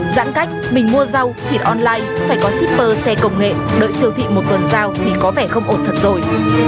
giãn cách mình mua rau thịt online phải có shipper xe công nghệ đợi siêu thị một tuần giao thì có vẻ không ổn thật rồi